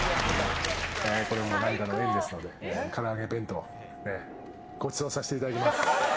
これも何かの縁ですので、から揚げ弁当、ごちそうさせていただきます。